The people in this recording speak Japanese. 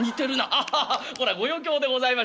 アハハッこれはご余興でございまし」。